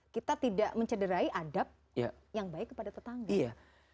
kita tidak mencederai adab yang baik kepada tetangga